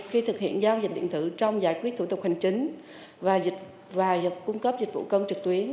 khi thực hiện giao dịch điện tử trong giải quyết thủ tục hành chính và cung cấp dịch vụ công trực tuyến